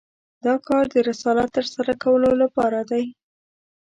دا کار د رسالت تر سره کولو لپاره دی.